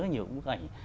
nhiều bức ảnh